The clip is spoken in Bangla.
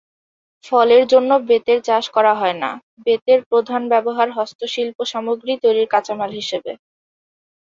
ফলের জন্য বেতের চাষ করা হয়না; বেতের প্রধান ব্যবহার হস্তশিল্প সামগ্রী তৈরির কাঁচামাল হিসেবে।